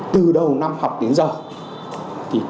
từ đầu năm học đến giờ